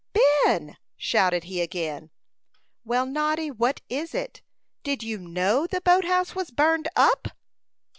"Ben!" shouted he again. "Well, Noddy, what is it?" "Did you know the boat house was burned up?"